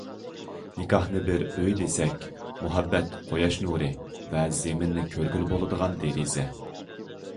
نىكاھنى بىر ئۆي دېسەك، مۇھەببەت قۇياش نۇرى ۋە زېمىننى كۆرگىلى بولىدىغان دېرىزە.